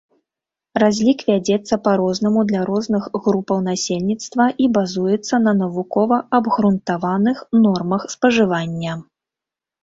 Разлік вядзецца па-рознаму для розных групаў насельніцтва і базуецца на навукова абгрунтаваных нормах спажывання.